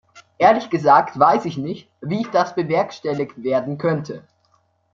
Ehrlich gesagt weiß ich nicht, wie das bewerkstelligt werden könnte.